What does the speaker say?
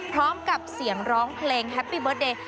พร้อมกับเสียงร้องเพลงแฮปปี้เบิร์ตเดย์